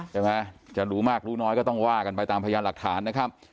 ใช่ไหมจะรู้มากรู้น้อยก็ต้องว่ากันไปตามพยานหลักฐานนะครับ